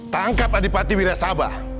tangkap kadipati wirasabah